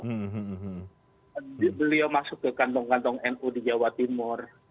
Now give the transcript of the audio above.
jadi beliau masuk ke kantong kantong mu di jawa timur